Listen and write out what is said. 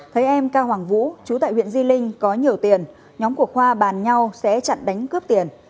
thấy em cao hoàng vũ chú tại huyện di linh có nhiều tiền nhóm của khoa bàn nhau sẽ chặn đánh cướp tiền